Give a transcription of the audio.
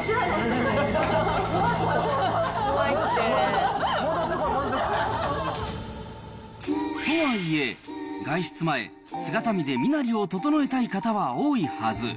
戻ってこい、とはいえ、外出前、姿見で身なりを整えたい方は、多いはず。